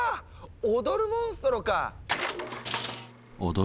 踊るモンストロか！